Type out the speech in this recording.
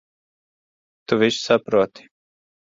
Tu visu saproti.